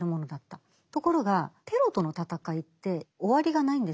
ところがテロとの戦いって終わりがないんですよ。